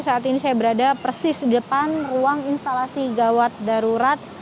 saat ini saya berada persis di depan ruang instalasi gawat darurat